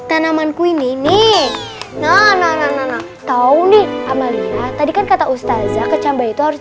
bagaimana tanamanku ini nih nah nah nah nah tahu nih amalia tadi kan kata ustazah kecambai itu harus